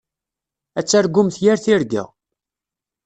Ad targumt yir tirga.